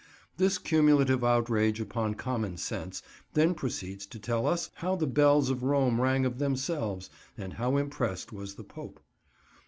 This cumulative outrage upon common sense then proceeds to tell us how the bells of Rome rang of themselves, and how impressed was the Pope.